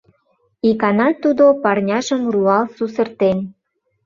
Икана тудо парняжым руал сусыртен.